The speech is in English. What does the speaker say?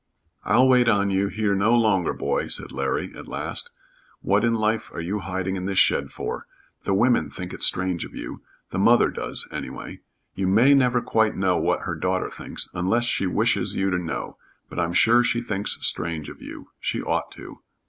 "I'll wait on you here no longer, boy," said Larry, at last. "What in life are you hiding in this shed for? The women think it strange of you the mother does, anyway, you may never quite know what her daughter thinks unless she wishes you to know, but I'm sure she thinks strange of you. She ought to."